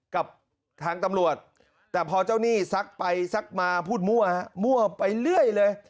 กับทางตำรวจแต่พอเจ้าหนี้ซักไปซักมาพูดมั่วมั่วไปเรื่อยเลย